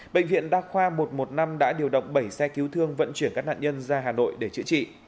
bệnh viện đa khoa một trăm một mươi năm đã điều động bảy xe cứu thương vận chuyển các nạn nhân ra hà nội để chữa trị